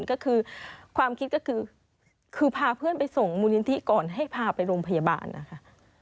ก็คือความคิดก็คือคือพาเพื่อนไปส่งมูลนิธิก่อนให้พาไปโรงพยาบาลนะคะ